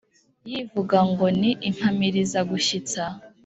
Yivuga ngo ni Impamiriza-gushyitsa !